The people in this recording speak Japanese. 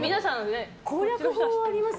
攻略法あります？